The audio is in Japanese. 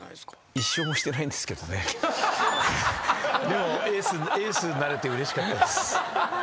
でもエースになれてうれしかったです。